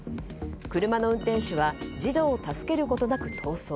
車の運転手は児童を助けることなく逃走。